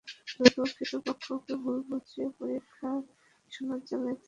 দুদক কর্তৃপক্ষকে ভুল বুঝিয়ে পরীক্ষার সনদ জালিয়াতির অভিযোগে মামলার অনুমোদনও নেন তিনি।